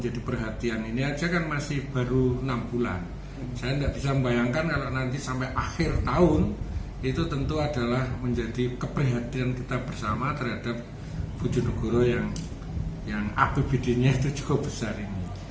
saya tidak bisa membayangkan kalau nanti sampai akhir tahun itu tentu adalah menjadi keprihatinan kita bersama terhadap bojonegoro yang apbd nya itu cukup besar ini